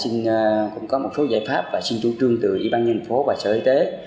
thì chúng tôi cũng đã có một số giải pháp và xin chú trương từ ủy ban nhân phố và sở y tế